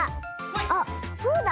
あっそうだ。